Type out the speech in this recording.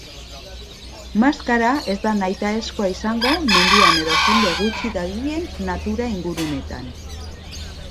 Maskara ez da nahitaezkoa izango mendian edo jende gutxi dabilen natura-inguruneetan.